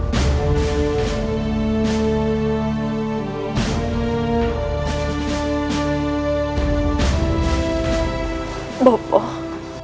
sehingga faridah menjadi orang yang terbuang